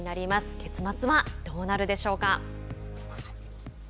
月末はどうなるでしょうか。